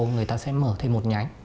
người ta sẽ mở thêm một nhánh